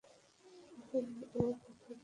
এখন আমার কথার কী হবে?